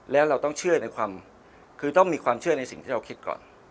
แล้วเราต้องเชื่อในความคือต้องมีความเชื่อในสิ่งที่เราคิดก่อน